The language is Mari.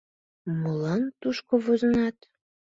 Молан тушко возынат?